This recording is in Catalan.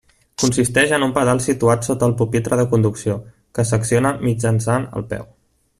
Consisteix en un pedal situat sota el pupitre de conducció, que s'acciona mitjançant el peu.